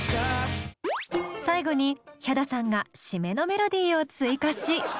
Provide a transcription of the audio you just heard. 最後にヒャダさんが締めのメロディーを追加し。